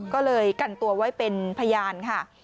ก็เลยกันตัวไว้เป็นพยานค่ะ